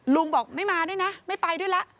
ลุงบอกไม่มาด้วยนะไม่ไปด้วยแล้ว